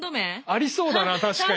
ありそうだ。